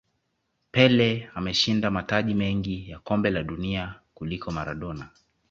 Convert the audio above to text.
pele ameshinda mataji mengi ya kombe la dunia kuliko maradona